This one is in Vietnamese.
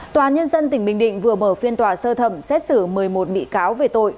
tòa nhân dân tỉnh bình định vừa mở phiên tòa sơ thẩm xét xử một mươi một bị cáo về tội